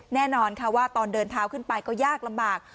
แน่นอนค่ะว่าตอนเดินเท้าขึ้นไปก็ยากลำบาก